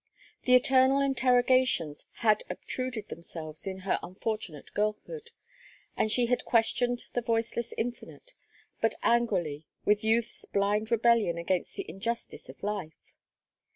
The eternal interrogations had obtruded themselves in her unfortunate girlhood, and she had questioned the voiceless infinite, but angrily, with youth's blind rebellion against the injustice of life.